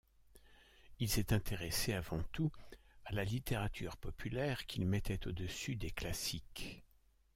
Il s'est intéressé avant tout à la littérature populaire, qu'il mettait au-dessus des Classiques.